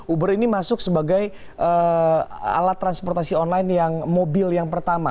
uber ini masuk sebagai alat transportasi online yang mobil yang pertama